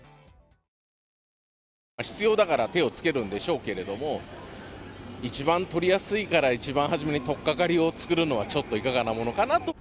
必要だから手をつけるんでしょうけれども、一番取りやすいから、一番初めにとっかかりを作るのはちょっといかがなものかなと。